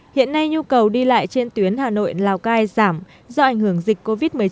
hiện nay nhu cầu đi lại trên tuyến hà nội lào cai giảm do ảnh hưởng dịch covid một mươi chín